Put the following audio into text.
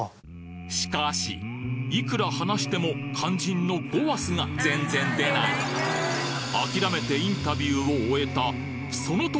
しかしいくら話しても肝心の「ごわす」が全然出ない諦めてインタビューを終えたその時！